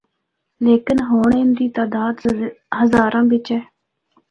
لیکن ہونڑ ان دی تعداد ہزاراں بچ اے۔